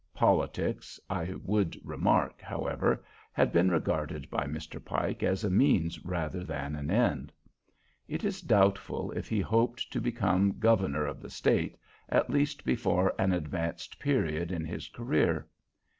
Politics, I would remark, however, had been regarded by Mr. Pike as a means rather than an end. It is doubtful if he hoped to become governor of the state, at least before an advanced period in his career.